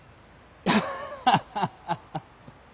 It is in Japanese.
ハハハハハ！